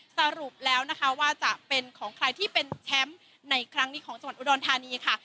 สรุปแล้วนะคะว่าจะเป็นของใครที่เป็นแชมป์ในครั้งนี้ของจังหวัดอุดรธานีค่ะ